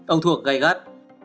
ông thuộc gây gắt